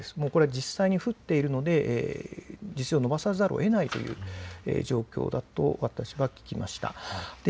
実際に降っているので延ばさざるをえないという状況だと私は聞きました。